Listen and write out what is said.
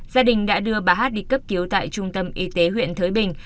gia đình đã đưa bà hát đi cấp cứu tại trung tâm y tế huyện thới bình